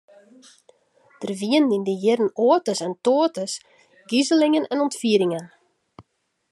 Der wiene yn dy jierren oates en toates gizelingen en ûntfieringen.